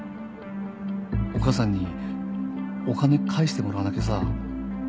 お母さんにお金返してもらわなきゃさ。